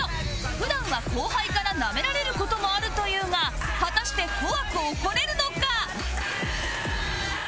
普段は後輩からナメられる事もあるというが果たして怖く怒れるのか？